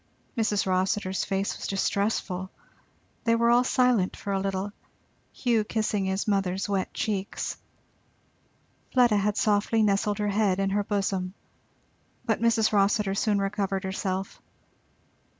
Mrs. Rossitur's face was distressful. They were all silent for a little; Hugh kissing his mother's wet cheeks. Fleda had softly nestled her head in her bosom. But Mrs. Rossitur soon recovered herself.